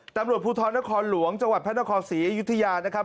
ตำรวจภูทรนครหลวงจังหวัดพระนครศรีอยุธยานะครับ